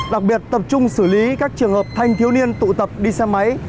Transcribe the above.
đặc biệt tập trung xử lý các trường hợp thanh thiếu niên tụ tập đi xe máy